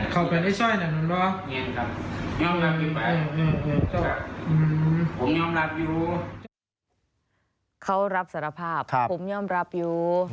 เขารับสารภาพผมยอมรับอยู่